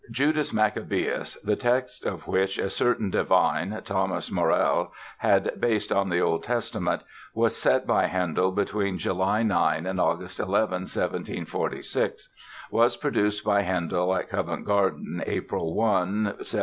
"Judas Maccabaeus", the text of which a certain divine, Thomas Morell, had based on the Old Testament, was set by Handel between July 9 and August 11, 1746, was produced by Handel at Covent Garden, April 1, 1747.